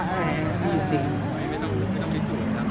ไม่ต้องพิสูจน์เราก็ไปเรื่อยครับ